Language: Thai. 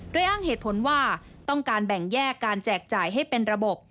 โดยอ้างเหตุผลว่าต้องการแบ่งแยกการแจกจ่ายให้เป็นระบบ